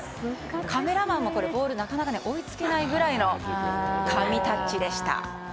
カメラマンもボールになかなか追いつけないぐらいの神タッチでした。